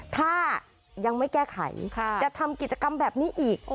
ถ้ายังไม่แก้ไขจะทำกิจกรรมแบบนี้อีก